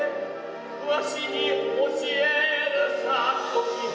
「わしに教えるさ時が」